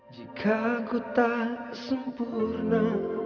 jika aku tak sempurna